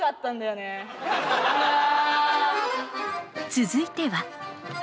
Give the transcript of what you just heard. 続いては。